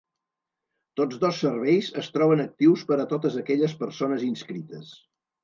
Tots dos serveis es troben actius per a totes aquelles persones inscrites.